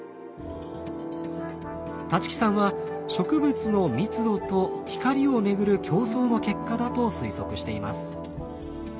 立木さんは植物の密度と光をめぐる競争の結果だと推測しています。